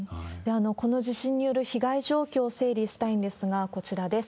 この地震による被害状況を整理したいんですが、こちらです。